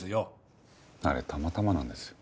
あれたまたまなんです。